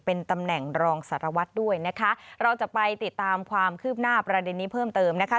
เป็นตำแหน่งรองสารวัตรด้วยนะคะเราจะไปติดตามความคืบหน้าประเด็นนี้เพิ่มเติมนะคะ